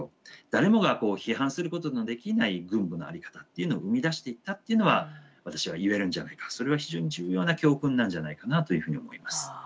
誰もが批判することのできない軍部の在り方っていうのを生み出していったっていうのは私は言えるんじゃないかそれは非常に重要な教訓なんじゃないかなというふうに思います。